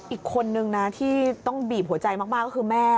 อีกคนนึงนะที่ต้องบีบหัวใจมากก็คือแม่